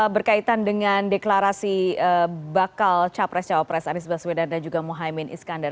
berkaitan dengan deklarasi bakal capres cawapres anies baswedan dan juga mohaimin iskandar